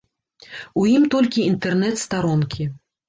У ім толькі інтэрнэт-старонкі.